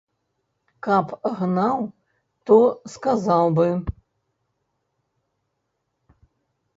Каб гнаў, то сказаў бы.